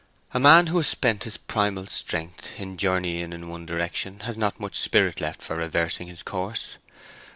A man who has spent his primal strength in journeying in one direction has not much spirit left for reversing his course.